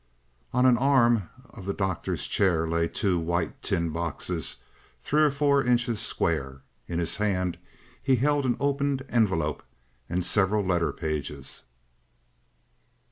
On an arm of the Doctor's chair lay two white tin boxes three or four inches square. In his hand he held an opened envelope and several letter pages.